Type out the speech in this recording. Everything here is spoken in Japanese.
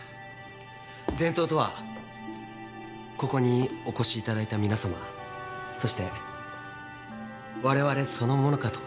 伝統とはここにお越しいただいた皆さまそしてわれわれそのものかと。